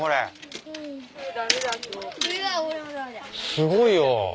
すごいよ。